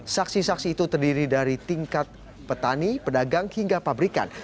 saksi saksi itu terdiri dari tingkat petani pedagang hingga pabrikan